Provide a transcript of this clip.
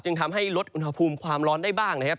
ทำให้ลดอุณหภูมิความร้อนได้บ้างนะครับ